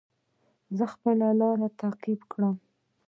زه به خپله لاره تعقیب کړم.